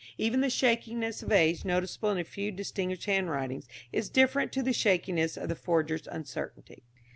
Even the shakiness of age noticeable in a few distinguished handwritings is different to the shakiness of the forger's uncertainty.